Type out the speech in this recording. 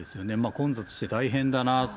混雑して大変だなと。